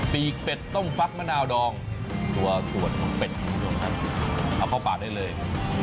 ปีกเป็ดต้มฟักมะนาวดองตัวส่วนของเป็ดคุณผู้ชมครับเอาเข้าปากได้เลย